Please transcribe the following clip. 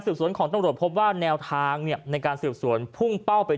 สวนของตำรวจพบว่าแนวทางเนี่ยในการสืบสวนพุ่งเป้าไป